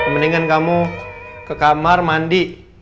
mendingan kamu ke kamar mandi